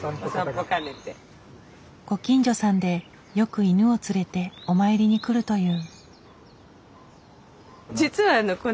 ご近所さんでよく犬を連れてお参りに来るという。